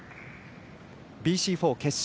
ＢＣ４決勝